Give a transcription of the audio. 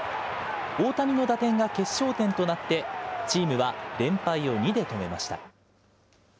大谷の打点が決勝点となって、チームは連敗を２で止めました。